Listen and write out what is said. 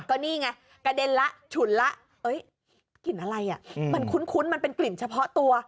ก็นี่ไงกระเด็นละฉุนละกลิ่นอะไรอ่ะมันคุ้นมันเป็นกลิ่นเฉพาะตัว